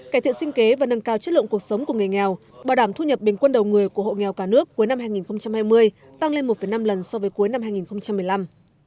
cải thiện sinh kế và nâng cao chất lượng cuộc sống của người nghèo bảo đảm thu nhập bình quân đầu người của hộ nghèo cả nước cuối năm hai nghìn hai mươi tăng lên một năm lần so với cuối năm hai nghìn một mươi năm